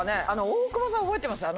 大久保さん、覚えてます？